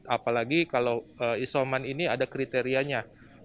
apalagi kalau isoman ini ada kriterianya